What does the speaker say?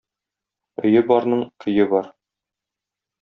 Өйe бaрның көйe бaр.